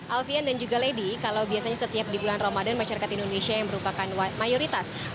alfian dan juga lady kalau biasanya setiap di bulan ramadan masyarakat indonesia yang merupakan mayoritas